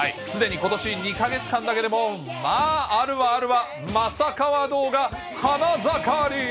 すでにことし２か月間だけでもまああるわあるわ、まさカワ動画花盛り。